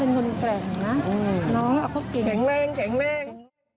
น้องเค้าเก่งแรง